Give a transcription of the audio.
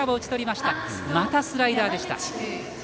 またスライダーでした。